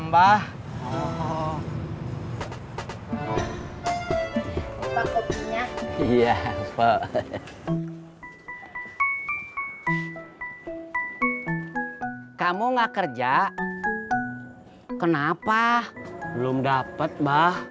belum dapet mbah